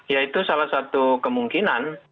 ya itu salah satu kemungkinan